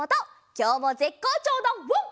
きょうもぜっこうちょうだワン！